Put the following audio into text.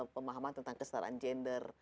pemahaman tentang kesetaraan gender